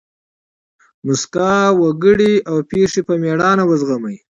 مسکا وکړئ! او پېښي په مېړانه وزغمئ!